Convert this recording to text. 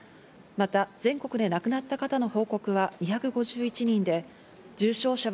また全国で亡くなった方の報告は２５１人で、重症者は